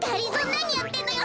なにやってんのよ！